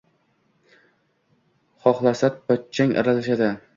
Xohlasat pochchang aralashadi.